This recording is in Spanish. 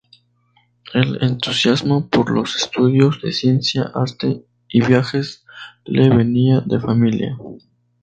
El entusiasmo por los estudios de ciencia, arte y viajes le venía de familia.